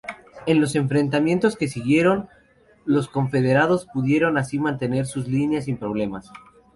En los enfrentamientos que siguieron, los confederados pudieron así mantener sus líneas sin problemas.